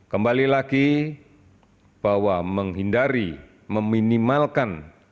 kembali lagi bahwa menghindari meminimalkan